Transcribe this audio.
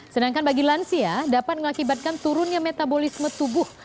sedangkan bagi lansia dapat mengakibatkan turunnya metabolisme tubuh